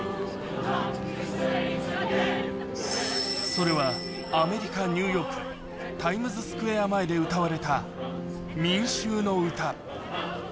それは、アメリカ・ニューヨーク、タイムズスクエア前で歌われた「民衆の歌」。